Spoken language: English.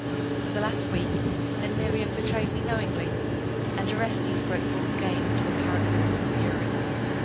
'For the last week! Then Miriam betrayed me knowingly!' And Orestes broke forth again into a paroxysm of fury.